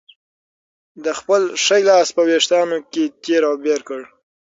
ده خپل ښی لاس په وېښتانو کې تېر او بېر کړ.